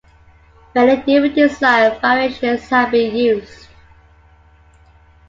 Many different design variations have been used.